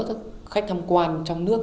các khách tham quan trong nước